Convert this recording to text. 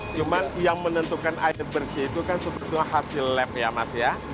cuma yang menentukan air bersih itu kan sebetulnya hasil lab ya mas ya